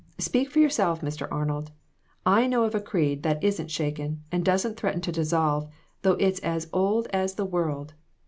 Speak for yourself, Mr. Arnold ; I know of a creed that isn't shaken, and doesn't threaten to dissolve, though it's as old as the world.